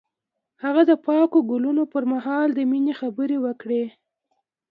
هغه د پاک ګلونه پر مهال د مینې خبرې وکړې.